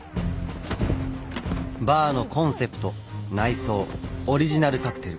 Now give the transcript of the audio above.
バーのコンセプト内装オリジナルカクテル。